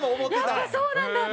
やっぱそうなんだって。